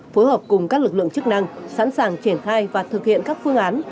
phối hợp cùng các lực lượng chức năng sẵn sàng triển khai và thực hiện các phương án